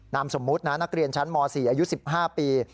นามสมมุตินะนักเรียนชั้นม๔อายุ๑๕ปี